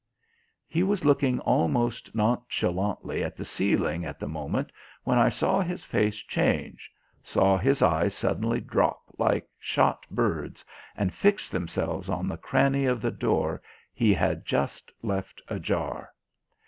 He was looking almost nonchalantly at the ceiling at the moment, when I saw his face change, saw his eyes suddenly drop like shot birds and fix themselves on the cranny of the door he had just left ajar.